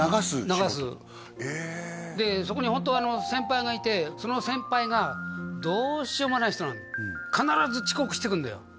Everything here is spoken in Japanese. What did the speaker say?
流すえでそこにホントは先輩がいてその先輩がどうしようもない人なの必ず遅刻してくるんだよ